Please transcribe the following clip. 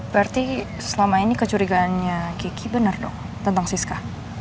berarti selama ini kecurigaannya kiki bener dong tentang siska